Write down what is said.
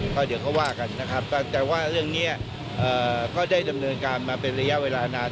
ก็เดี๋ยวก็ว่ากันนะครับแต่ว่าเรื่องนี้ก็ได้ดำเนินการมาเป็นระยะเวลานาน